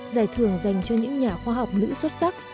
giải thưởng dành cho những nhà khoa học nữ xuất sắc